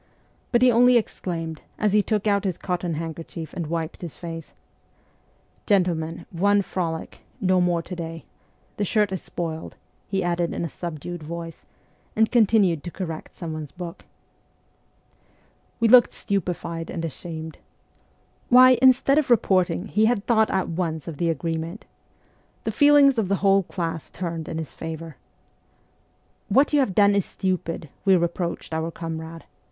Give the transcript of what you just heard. But he only exclaimed, as he took out his cotton handkerchief and wiped his face, ' Gentlemen, one frolic no more to day ! The shirt is spoiled/ he added in a subdued voice, and continued to correct someone's book. We looked stupefied and ashamed. Why, instead of reporting, he had thought at once of the agreement ! The feelings of the whole class turned in his favour. 'What you have done is stupid,' we reproached our comrade.